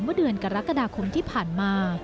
เมื่อเดือนกรกฎาคมที่ผ่านมา